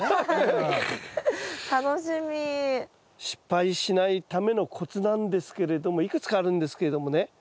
失敗しないためのコツなんですけれどもいくつかあるんですけれどもね